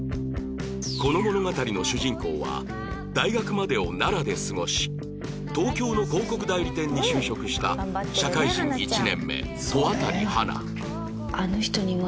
この物語の主人公は大学までを奈良で過ごし東京の広告代理店に就職した社会人１年目戸渡花